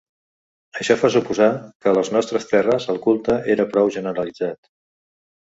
Això fa suposar que a les nostres terres el culte era prou generalitzat.